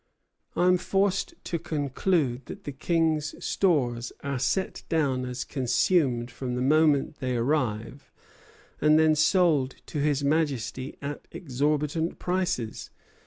I am forced to conclude that the King's stores are set down as consumed from the moment they arrive, and then sold to His Majesty at exorbitant prices.